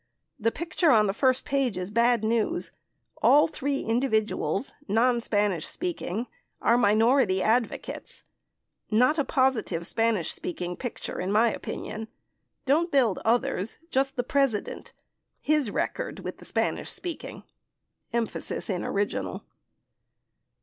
The picture on the first page is bad news ; all three individuals, non Spanish speaking, are minor ity advocates — not a positive Spanish speaking picture in my opinion. Don't build others, just the President — ZD's record with the Spanish speaking. [Emphasis in original.